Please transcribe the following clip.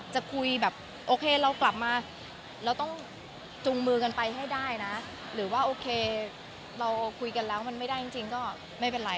จะคุยแบบโอเคเรากลับมาเราต้องจุงมือกันไปให้ได้นะหรือว่าโอเคเราคุยกันแล้วมันไม่ได้จริงก็ไม่เป็นไร